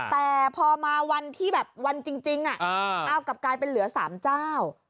แต่พอมาวันที่แบบวันจริงกลับกลายเป็นเหลือ๓เจ้า